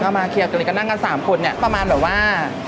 ก็มาเคลียร์ตรงนี้ก็นั่งกัน๓คนเนี่ยประมาณแบบว่า